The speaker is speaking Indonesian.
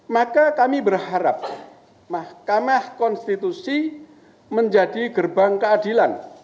maka kami berharap mahkamah konstitusi menjadi gerbang keadilan